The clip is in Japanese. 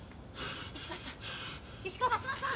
石川さん！